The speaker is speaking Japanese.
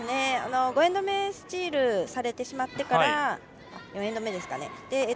５エンド目スチールされてしまってから４エンド目ですかね。